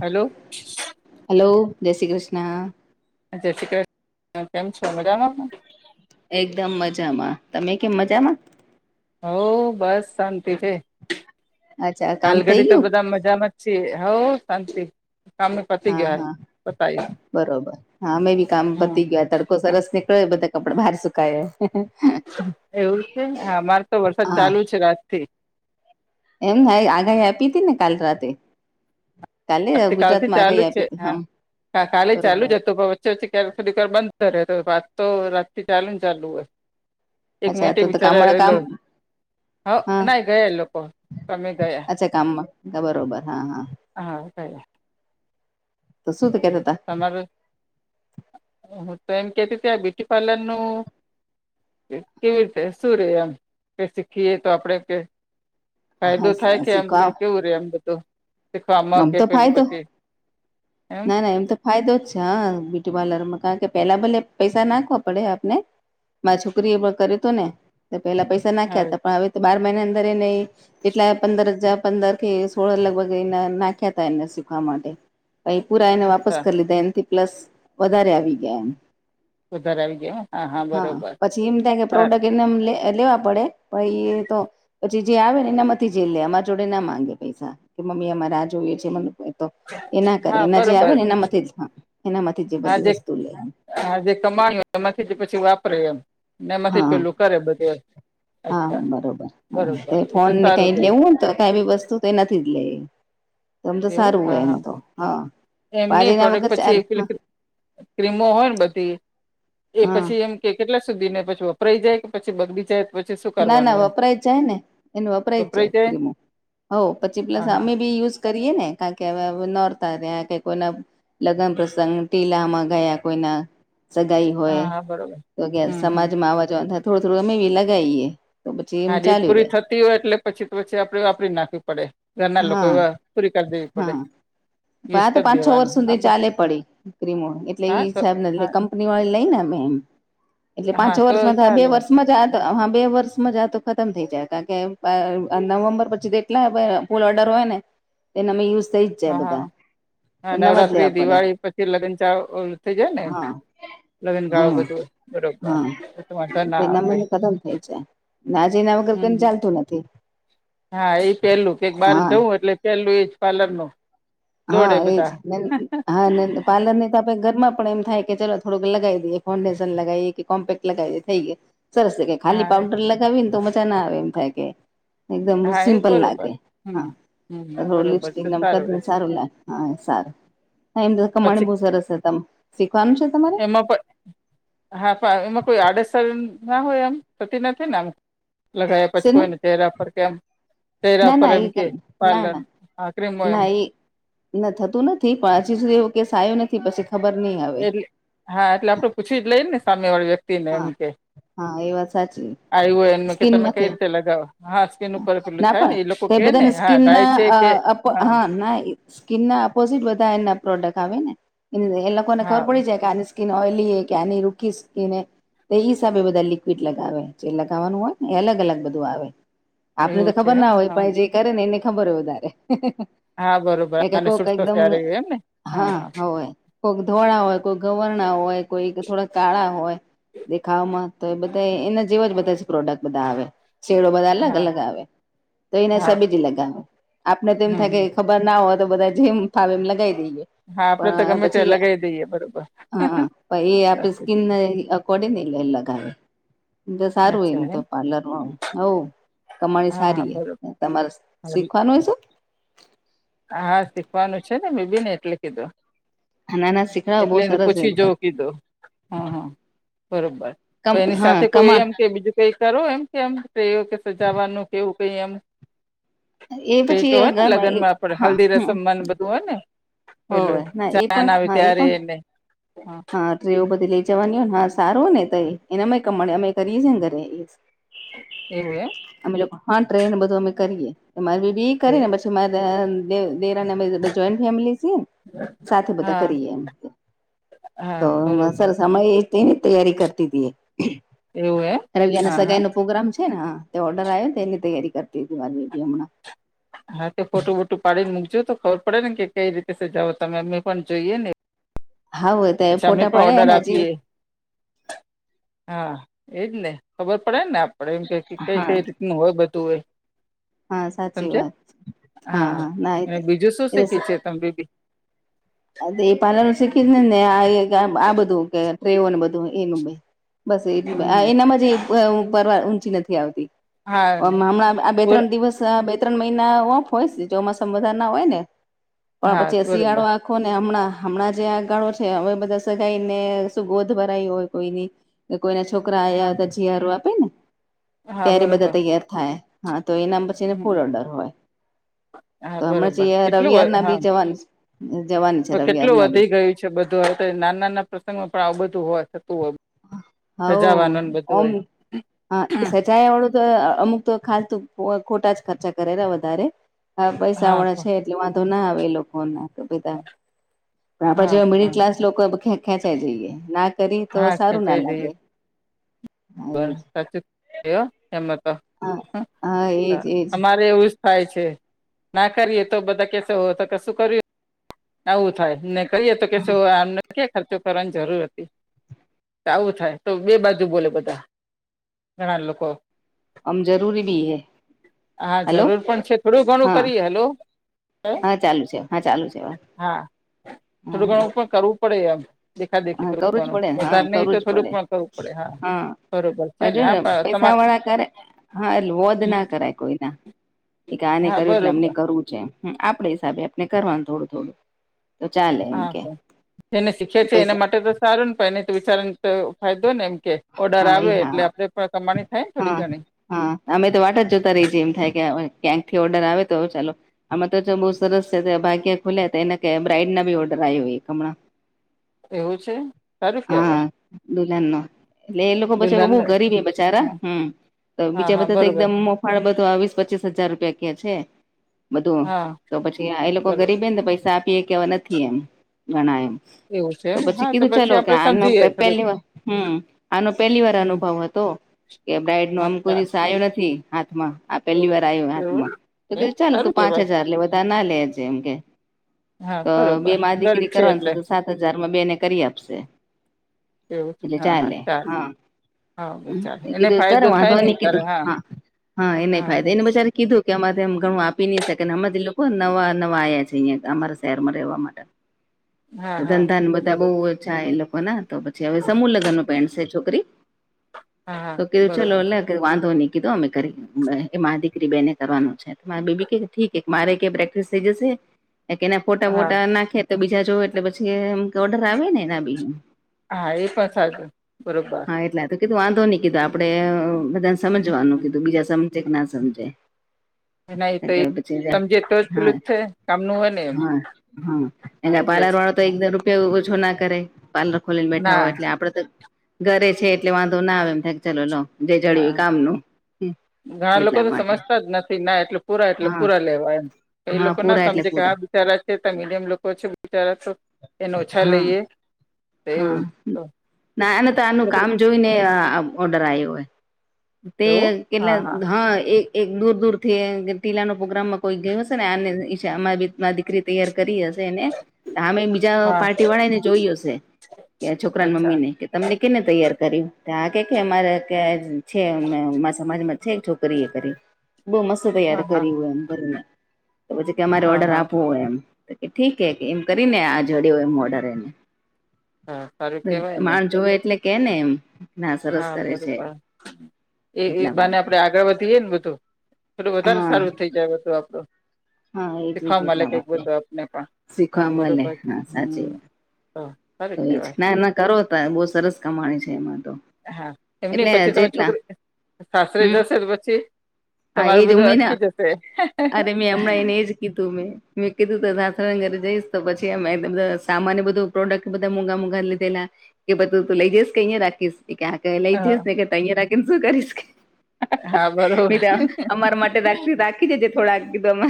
Hello. Hello, જય શ્રી કૃષ્ણ. જય શ્રી કૃષ્ણ. કેમ છો? મજામાં? એકદમ મજામાં. તમે કેમ મજામાં? હઉ બસ શાંતિ છે, અચ્છા કામ થઈ હાલગડી તો ગયું બધા મજામાં જ. હોવ શાંતિ. કામ પતી હા, ગયો હાલ હા, પતાયું બરોબર. હા, અમે બી કામ હા પતી ગયા તડ સરસ નીકળ્યો, બધા કપડે બહાર સુકાય. એવું છે, હા, મારે તો વરસાદ હા ચાલુ છે રાતથી. એમ આગાહી આપી હતી ને, કાલ રાત્રે. આવતીકાલથી ચાલુ આગાહી જ છે. આપી હતી હા, કાલે ચાલુ જ બરોબર હતું પ ચચી, ક્યારે ખોડીકર બંધ કરે તો વાત, તો રાત થી ચાલ ને ચાલુ હોય. એક અચ્છા મટે તો તો કામવાળા બિચારલો. કામ હ, હા ના ગયા. લોકો કામે ગયા. અચ્છા કામમાં બરોબર હા હા હા. તો શું તો એ કેતા તમારું હ તો એમ કેતીીતે આ બ્યુટી પાર્લરનું- - કે ઢેસું શું રે એમ કે શીખીએ તો આપડે કે- - હતા ફાયદો થાય હા કે એમ કે શીખવા કેવું રે એમ બધું શીખવામાં આમ કે તો પેલું ફાયદો પછી- - ના ના એમ તો- - ફાયદો જ છે હા બ્યુટી પાર્લર માં કારણ કે પેલા ભલે પૈસા નાખવા પડે આપને- - મા છોકરી એ પણ કર્યું હતું ને તો પેલા પૈસા હા નાખ્યા હતા પણ હવે- - બાર મહિના અંદર એ ન કેટલા પંદર હજાર પંદર કે સોળ લગભગ એના- - નાખ્યા ત એને શીખવા માટે પ ઈ પુરા એને વાપસ અચ્છા કરી લીધા એ- - પ્લસ વધારે આવી ગયા એમ. વધારે આવી ગયા હા બરોબર પછી એમ થ કે હા પ્રોડક્ટ- - નમ લેવા પડે પણ એ તો- - પછી જે આવે ને એનામાંથી જેલ લે અમારા જોડે ના માંગે પૈસા કે મમ્મી અમારા- - જોઈએ છે મ તો એના કરે હા એના જે આવે બરોબર ને એનામાંથી જ- - એનામાંથી જે બધી વસ્તુ લે- - હ જે કમાણી હોય એમાંથી પછી વાપરે એમ ને એમાંથી હા પેલું કરે બધે. હા બરોબર હા તો ફોન ને સારું કઈ રે લેવુંને તો કઈ બી વસ્તુ- - તો એ નથી જ લે. તમ તો એવું સારું હા હોય એમ તો હા એમ નહી પણ ના પ્રોડક્ટ વગર પછી ચાલ- - પેલી ક્રીમો હોય ને બધી એ હા પછી એમ- - કે કેટલા સુધી ને પછી વપરાઈ જાય કે પછી બગડી જાય- - ના ના વપરાય જાય ને એને વપરાય જાય ક્રીમો હો પછી પ્લસ હા હા અમે બી યુઝ- - કરીએ ને ક કે નોરતા ત્યા કઈ- - લગ્ન પ્રસંગ ટીલામાં ગયા કોઈના- - સગાઈ હા હોય હા બરોબર તો હમ હમ સમાજમાં આવા જવા થાય થોડું થોડું અમેવી લગાવીએ. તો પછી એમ હા ડેટ ચાલ્યું પૂરી રે થતી હોય એટલે પછી તો પછી આપે વાપરી નાખવી પડે. ના લોકો હા કોઈ પૂરી કર દવી પડે. હ યુઝ તો કરી પાંચ છ વર્ષ દેવાનું હા સુધી બસ ચાલે પડી ક્રીમો એટલે હા એવી હ તો સાહેબ નથી- હા - કંપની વાળી લઈને અમે એમ એટલે હા પાંચો વર્ષમાં તો બે ચાલે વર્ષમાં જ આ- - હા બે વર્ષમાં જ આ તો ખતમ થઈ જાય ત કે નવેમ્બર પછી એટલા- - ફૂલ ઓર્ડર હોય ને એને અમે યુઝ થઇ જ જાય હા હા બધા. હા નવા જ નવરાત્રી લેવા પડે દિવાળી પછી લગ્ન ચાલુ થઇ જાય ને. હા લગ્નગાળો હા બધું બરોબર હા તમા ના આવેે- - ના જ એના વગર કોઈને ચાલતું નથી. હા એ પેલું કેક બાર હા જવું એટલે પેલું એજ પાર્લર નું. હા દોડે એજ બધા હા- - પાર્લ ની તો આપડે ઘરમાં પણ એમ થાય કે ચલોો થોડુંક લગાવ દઈએ ફાઉન્ડેશન લગાવીએ કે કોમ્પેક્ટ લગાવીએ થઈ ગયુ. સરસ છે કે ખાલી હા પાઉન્ડર લગાવી ને તો મજા ના આવે એમ થાય કે- - એકદમ હા એ સિમ્પલ બરોબર લાગે હમ હા હમ થોડું બરોબર લિપ્સ્ટિક તો નમક- રે - સારું લ હા સારું એમ કમાણી પછી બવ સરસ છે ત શીખવાનું છે તમારે? એમાં પણ હા એમાં કોઈ આડઅસર ના હોય એમ થતી નથી ને આમ? લગયા પછી શેનું કોઈને ચહેરા પર કેમ- - ના ના એ ના ના હા ક્રીમો એમ ના એ ના થતું નથી પણ હજી સુધી એવું કેસ આવ્યો નથી પછી ખબર નહી અવે. એટલે હા એટલે આપડે પૂછી જ લઈએ ને સામે વાળી વ્યક્તિ ને એમ હા કે, હા એ વાત સાચી. આયુ હોય એમને કે સ્કીન તમે કઈ માંથી રીતે લગાવો હા સ્કીન ઉપર પેલું થાય ને એ લોકો કે ને હા ડ્રાય છે હા આપકો હા ના સ્કીન ના ઓપોઝિટ બધા એના પ્રોડક્ટ આવે ને એ લોકોને ખબર હા પડી જાય કે આની સ્કીન ઓયલી એ કે એની રૂકી સ્કીન હે તે એ હિસાબે બધા લિક્વિડ લગાવે જે લગાવવાનું હોય ને એ અલગ અલગ બધું આવે. આપને તો એવું છે ખબર એમ ના હોય હા પણ એ જે કરે ને એને ખબર હોય વધારે. હા બરોબર એ અને કોક સૂટ થશે એકદમ આ રહ્યું એમ ને હા હોય. કોઈ ધોળા હોય કોઈ ગવરણા હોય કોઈ થોડા કાળા હોય દેખાવમા. તો એ બધા એને જેવા જ બધા જ પ્રોડક્ટ બધા આવે. શેડો બધા અલગ હા અલગ આવે તો એને હા હીસાબેજ લગાવે આપણે તો એમ હમ થાય કે હમ. ખબર ના હોય તો બધા જેમ ફાવે એમ લગાવી દઈએ. હા આપણે તો પણ ગમે તે પછી લગાવી દઈએ બરોબર હ પછી એ આપે સાચી વાત. સ્કીનને કોડી નને લગાવે સારું હોય અચ્છા ને તો એમ પાર્લરમાં હોવ. કમાણી હા હા સારી બરોબર એ તમારે શીખવાનું હોય શું? હા શીખવાનું છે ને બેબી ને એટલે કીધું. ના ના શીખડાવો બહુ એટલે સરસ એમ પૂછી જોવું કીધું હા હા. બરોબર તો કમ એની હા સાથે કોઈ કમા એમ કે બીજું કઈ કરો એમ કે એમ પ્રયો કે સજાવાનું કેવું કઈ એમ. એ કે પછી હોય ને ઘરમાં લગ્ન એ માં આપડે હા હલ્દી હમ રસમમા બધું હોય ને. પેલું હોવે ના એ જાન પણ આવે હા એ ત્યારે પણ ને હા. હા સ્ટ્રેઓ બધી લઇ જવાની હો ને હા સારું ને તો એનામાંય કમાણી અમે કરીએ છે ને ઘરે [inaudible] એવુ એમ. અમે લોકો હા ટ્રેને બધું અમે કરીએ મારી બેબી કરે ને એવું પછી મારા દે દે દેરાણી બધા જોઈન્ટ ફેમિલી છીએ સાથે બધા હા કરીએ એમ. [inaudible] તો બરોબર સર સમય તેની તૈયારી કરતી હતી એ. એવું હે. રવિ અને સગાઈ નો પ્રોગ્રામ છે ને હા તે ઓર્ડર આવ્યો તો એની તૈયારી કરતી હતી મારી બેબી હમણાં. હા તો ફોટું બોટું પાડીને મૂકજો તો ખબર પડે ને કે કઈ રીતે સજાવો તમે અમે પણ જોઈએ ને. હા હોય તો પછી અમે ફોટા પણ પાડે ઓર્ડર ને હજી આપીએ. હા એજ ને ખબર પડે ને આપડે એમ કે કઈ કઈ હા રીતે હોય બધું હોય. હા સાચી વાત સમજ્યા હા અને બીજું શું એ શીખ્યું છે તમ બેબી? એ પાર્લર શીખી ને ને આ બધું કે ટ્રે ઓને બધું એનું. બસ એટલી હમ એનામાં જ એ અ પરવા ઊંચી નથી આવતી. હા હમણાં આ બોર બે-ત્રણ દિવસ બે ત્રણ મહિના ઓફ હોય ચોમાસા વધારે ના હોય ને પણ હા પછી શિયાળો બરોબર આ આખો ને હમણાં હમણાં જે આ ગાળો છે હવે બધા સગાઈ ને શું ગોદ ભરાય હોય કોઈની. કે કોઈના છોકરા હા આવ્યા તો જીયારું આપે ને હા ત્યારે બધા બરોબર તૈયાર થાય. હા તો એના પછી હમ ફુલ ઓર્ડર હોય હા તો હમણાં બરોબર જે કેટલું રવિવારના હા બી જવાનું જવાની છે તો રવિવાર કેટલું ના બી. વધી ગયું બધું તો નાના પ્રસંગો પણ આવું બધું હોય થતું હોય. હોવ સજાવાનું ને બધું ઓમ હોય હા સ જાયા વાળું તો અમુક તો ખાસ તો ખોટા જ ખર્ચા કરેરા વધારે. હા પૈસા વાળા હા છે એટલે વાંધો ના આવે એ લોકો ને. પણ આપડા હા જેવા મિડલ ક્લાસ લોકો ખેંચાઈ જઈએ ના કરી તો હા સારું ના ખેંચાઈ જઈએ લાગે હા બર એજ સાચું છે હો એમાં તો હા હા એજ એજ અમારે એવુંજ થાય છે ના કરીએ તો બધા કેસે હો તો કશું કર્યું આવું થાય ને કરિએ તો કેસે ઓ આ ક્યા ખર્ચો કરવાની જરૂર હતી આવું થાય તો બે બાજુ બોલે બધા ઘણા લોકો અમ જરૂરી ભી હૈ. હા જરૂર પણ છે થોડું ઘણું હા કરીએ હલો હા ચાલુ છે હા ચાલુ છે હવે હા થોડું ઘણું પણ કરવું પડે એમ દેખા દેખી હા થું કરવું જ ઘણું પડે ને હા વધારે નહી તો કરવું જ થોડુંક પણ કરવું પડે હા બરોબર છે બાજુ હા ને પણ પૈસા તમાર વાળા કરે હા એટલે વોદ ના કરાય કોઈ ના એ કે આને હા કર્યું એટલે અમને બરોબર કરવું છે હમ આપડે હિસાબે આપને કરવાનું થોડું થોડું તો ચાલે એમ હા કે પણ જેને શીખે છે એના પૈસા માટે તો સારું ને પણ એને વિચારને તો ફાયદો ને એમ કે ઓર્ડર હા આવે એ એટલે હા આપે પણ કમાણી થાય થોડી હા ઘણી હા અમે તો વાટ જ જોતા રહી જાયે એમ થાય કે ક્યાંક થી ઓર્ડર આવે તો ચાલો આમાં તો જો બઉુ સરસ છે ભાગ્યા ખુલ્યા હતા એને ક બ્રાઇડ ના બી ઓર્ડર આવ્યો હમણાં એવું છે સારું હા કહેવાય દુલહન નો એટલે એ લોકો બચે દુલ્હન બહુ ગરીબ બચારા હા હમ તો હા બીજા હા બધા તો બરોબર એકદમ પણ બઘો વીસ આ પંચીસ હજાર રૂપિયા ક છે બધું હા તો પછી એ લોકો બરો ગરીબેને પૈસા આપીએ કેવા નથી એમ ઘણા એમ એવું છે તો એમ પછી હા કીધું ચાલો કે આપડે આનો પ સમજીએ થોડુંક પહેલી વાર હમ આનો પહેલી વાર હમ અનુભવ હતો કે બ્રાઈડ નો આમ કોઈ અચ્છા દિવસ આયો નથી હાથમાં આ પેલી એવું વાર આયો એવું હાથમાં તો કે એ કિધુ તો ચાલ સારું તું પાંચ કેવાય હજાર લે બધા ના લેજે એમ કે. હા તો બે બરોબર માં ગરીબ દીકરી કરવાની છે એટલે તો સાત હજારમાં બે ને કરી આપશે એવું એટલે હા ચાલે હા ચાલે હા. હા ચાલે એને કીધું કર ફાયદો થાય વાંધો ને નહિ બિચારે કીધું હા હા એને ફાયદો એને બિચારી એ કીધું કે અમાર તેમ ઘણું આપી ની શકાય હમણાં ઈ લોકો નવા નવા આયા છે અહિયાં અમારા શહેરમાં રહેવા. માટે હા હા ધંધા ને બધા બહુ બરોબર અચ્છા એ લોકો ના તો પછી હવે સમૂહ લગ્ન ન પેળશે છે છોકરી હા હા તો કીધું ચલો બરોબર લે કે વાંધો નહી કીધો અમે કરી એ બે મા દીકરી બેને કરવાનું છે માર બેબી કે ઠીક હે મારે કે પ્રેક્ટિસ થઈ જશે કે એના ફોટા હા વોટા નાખે તો બીજા જોવ એટલે પછી એમ ઓર્ડર આવે ને એના બી હા એ પણ સાચું બરોબર એટલા તો કીધું વાંધો નહી કીધું આપણે બધાને હમ, સમજવાનું હમ. કીધું બીજા સમજે કે ના સમજે ના એ તો કે એ પછી જા સમજે તો જ હા પેલું જ છે કામનું હોય ને એમ હા હા હા એના એટલે જ પાર્લર વાળો તો હા એકદમ રૂપિયા ઓછો ના કરે પાર્લર ખોલીને બેઠા ના હોય એટલે આપડે તો ઘરે છે એટલે વાંધો ના આવે એમ થાય ચલો લો જે હા જળ્યું કામનું ઘણા લોકો એટલા તો માટે સમજતા જ નથી ના એટલે પૂરા એટલે હા પૂરા લેવા એમ એ હા લોકો ના પૂરા એટલે સમજે કે પૂરા હા બિચારા છે મીડિયમ લોકો છે બિચારા તો એન ઓછા હા લઈએ તો હા એવું તો ના આને તા આનું છોકરી કામ જોઈને આ ઓર્ડર આયો હે તે કેટલા હા એ એક દૂર દૂર થી એ ટીલા નો પ્રોગ્રામમાં કોઈ ગયો હશે ને આની ઈચ્છા અમારી રીત ના દિકરી. તૈયાર કરી હશે એને હામે બીજા હા પાર્ટી વાળાને જોઈ હશે કે છોકરાને અચ્છા મમ્મી ને કે તમને કેને તૈયાર કરીયુ તા આ કે કે અમારે કે આજ છે આમારા ઊમા સમાજમાં છે છોકરી એ કરી બહુ મસ્ત. શું તૈયાર હા હા કરી હોય એમ કરીને તો પછી કે અમારે હા ઓર્ડર હા આપવો હોય એમ. તો ઠીક હે કે એમ કરીને આ જોડયો એમ ઓર્ડર એને. હા સારું તો કેવાય ને માણ જોવે એટલે કેને એમ. ના સરસ હા કરે છે બરોબર એ એ એટલા બાને માટે આપડે આગળ વધીયએ ને બધું. ઈટલુ થોડું વધારે હા સારું થઈ જાય બધું આપડું. હા એજ એજ શીખ મળ એટલા [inaudible] કઈક માટે બધું આપને પણ શીખવા હા મળે બરોબર છે હમ હા સાાર એ ના ના કરો તાર બવ સરસ કમાણી છે એમાં તો. હા એમ નહી એટલે પછી તમે જેટલા છોકરી સાસરે હમ જશે તો પછી હા તમારું એજ બધું ઉમેને અટકી જશે. અરે મેં હમણાં એને એજ કીધું મેં મેં કીધું સાસરા ન ઘરે જઈશ તો પછી અ સામાન્ય બધું. પ્રોડક્ટ બધા મોંઘા મોંઘા લીધેલા એ બધું તું લઈ જયસ કે અહીયા રાખીશ. એ કે હા કે હ લઈ જઈ ને કે અહીંયા રાખીને શું કરીશ. હા બરોબર મી્ર અમારા માટે રાખ રાખી જજે થોડાકીધમે મે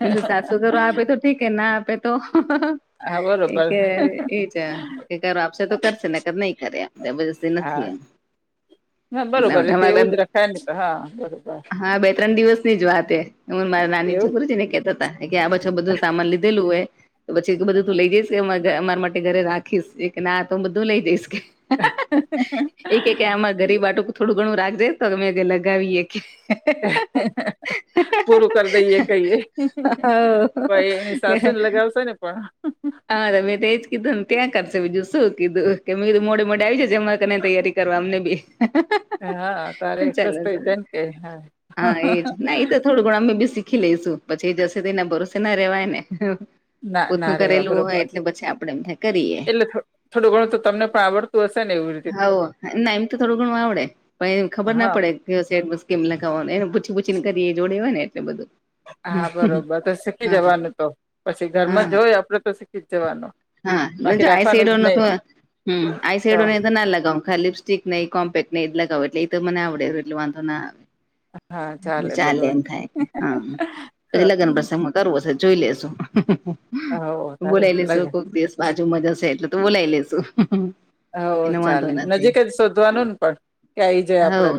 કીધું સાસુ તો આપે તો ઠીક છે ના આપે તો. હા એ બરોબર કે એજ કે આપશે તો કરશે નકર નહી કરે. જબર જસ્તી નથી હા એમ. ના બરોબર એ તો એટલાા બે એવું જ રખાય ને તો હા બરોબર હા બે ત્રણ દિવસ [unintelligible] ની જ વાતે હું મારા નાની જે એવું [unintelligible] છેને કેતા હતા કે આ [unintelligible] બધું સામાન લીધેલું હોય તો પછી બધું તું લઈ જઈશ અમારા માટે ઘરે રાખીશ કે ના તો હું બધું લઈ જઈશ એકે કે આમાં ગરીબ હાટુંક થોડુંઘણું રાખજે તો મે કે લગાવીએ કે પૂરું કરી દઈએ કહીએ તો એની સાસુને હ લગાવશે ને પણ હા મેં તો એજ કીધું ને ત્યાં કરશે બીજું શું કીધું કે મેધું મોડે મોડે આવી છે એમાંરે કને તૈયારી કરવા એમને બી હા તારે ખુશ ચાલો થઈ ચાલો જા કે હા પણ અમે બી શીખી લઈશું પછી એ જશે એના ભરોસે ના રેવાય ને ના ના પોતનું રેવા કરેલું હોય બરોબર એટલે પછી આપણેે એમ કરીએ એટલે થોડું ઘણું તો તમને [unintelligible] એવી રીતે હોવ ના એમ તો થોડું ઘણું આવડે પણ એ ખબર ના હા પડે [unintelligible] લગાવાનું એને પૂછી પૂછીને કરી જોડે હોય ને એટલે બધું હા બરોબર તો શીખી હા જવાનું તો પછી હા ઘરમાં જોય આપડે તો શીખી જ જવાનું હા બાકી જો આઈ રાખવાનું સાઈડ જ ન નહી તો હમ્મ આઈ સાઈડને તો ન લગાવ ખા લિપસ્ટિક એ કોમ્પેક ને એ લગાવું એટલે એ તો મને આવડે એટલે વાંધો ના આવે હા ચાલે બધું એમ થાય કે હા તો પછી લગ્ન પછી અમે દર વર્ષે જોઈ લેેશું હો તારે બોલાય લેશુ લગે કોક દિવસ બાજુ જશે એટલે તો બોલાય લેશુ હોવ ચાલે નજીક જ શોધવાનું ને પણ કે આય જાય હવ આપડે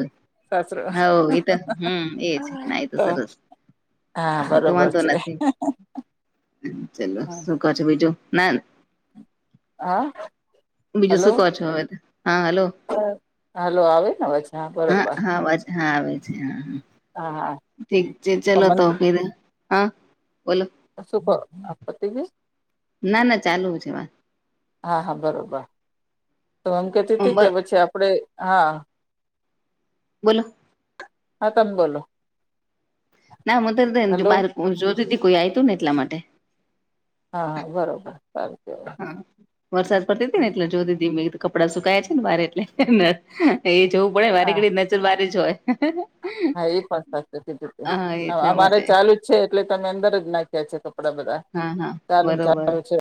સાસરો હવ એ તો હમ એજ ના એ તો સરસ હા એ તો બરોબર વાંધો છે. નથી ચલો શું કો છો બીજું [unintelligible] હા બીજું હલો શું કો છો હવે હા હલો હાલો આવે ને અવાજ હા બરોબર હા અવાજ હા આવે છે હા હા હા ઠીક છે ચલો પણ તો [unintelligible] હા બોલો શું કો આ પતી ગઈ ના ના ચાલું છે, વાત હા હા બરોબર તો, એમ કેતી હતી, કે બર પછી આપડે હા બોલો.. હા તમ બોલો ના હું હલો તબાર [inaudible] જોતીતી, કોઈ આય તું ને એટલા માટે. હા હા બરોબર સારું કેવાય વરસાદ પડતી તી, ને એટલે જોતી તી મે કપડાં સુકાયા છે ને બાર એટલે એ જોવું પડે, વારી હા ઘડી નજર બાર જ હોય. હા, એ પણ સાચધી હા એટલા અમારે માટે ચાલુ જ છે, એટલે તમે અંદર જ નાખ્યા છે, કપડા બધા. હા.. હા.. ચાલુ બરોબર ચાલુ છે